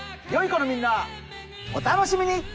よい子のみんなお楽しみに！